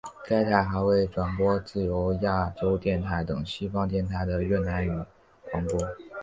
该台还会转播自由亚洲电台等西方电台的越南语广播。